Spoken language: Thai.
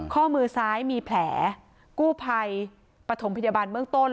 ข้อมือซ้ายมีแผลกู้ภัยปฐมพยาบาลเบื้องต้น